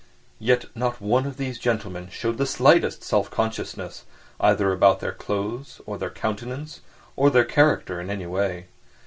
Yet not one of these gentlemen showed the slightest self consciousness—either about their clothes or their countenance or their character in any way.